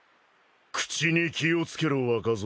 口に気を付けろ若造。